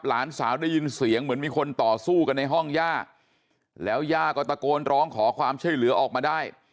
หลานสาวได้ยินเสียงเหมือนมีคนต่อสู้กันในห้องย่าแล้วย่าก็ตะโกนร้องขอความช่วยเหลือออกมาได้